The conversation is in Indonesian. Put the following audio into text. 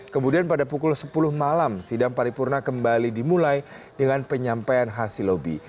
kemudian pada pukul sepuluh malam sidang paripurna kembali dimulai dengan penyampaian hasil lobby